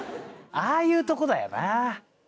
ああいうとこだよな。